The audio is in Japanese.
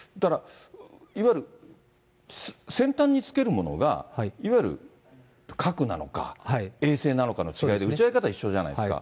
いわゆる先端につけるものが、いわゆる核なのか、衛星なのかの違いで、打ち上げ方は一緒じゃないですか。